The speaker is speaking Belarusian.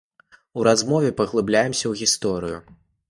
У размове паглыбляемся ў гісторыю.